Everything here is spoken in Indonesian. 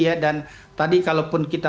ya dan tadi kalaupun kita